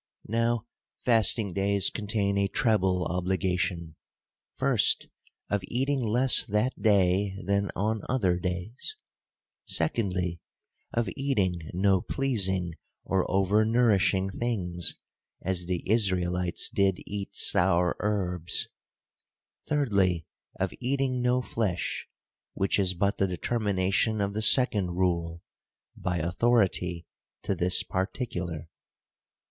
Now fasting days contain a treble obligation : first, of eating less that day than on other days ; secondly, of eating no pleasing or over nourishing things, as the Israelites did eat sour herbs; thirdly, of eating no flesh — which is but the determination of the second rule, by authority, to this particular.